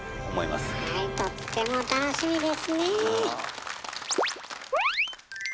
はいとっても楽しみですね。